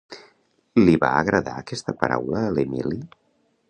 Li va agradar aquesta paraula a l'Emili?